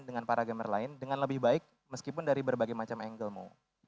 dengan para gamer lain dengan lebih baik meskipun dari berbagai macam angle mo